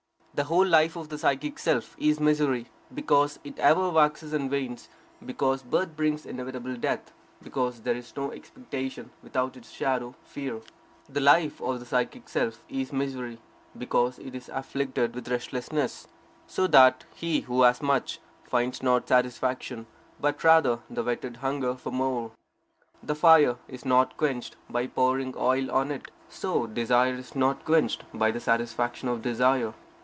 The whole life of the psychic self is misery, because it ever waxes and wanes; because birth brings inevitable death; because there is no expectation without its shadow, fear. The life of the psychic self is misery, because it is afflicted with restlessness; so that he who has much, finds not satisfaction, but rather the whetted hunger for more. The fire is not quenched by pouring oil on it; so desire is not quenched by the satisfaction of desire.